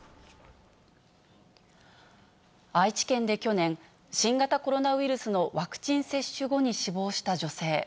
愛知県で去年、新型コロナウイルスのワクチン接種後に死亡した女性。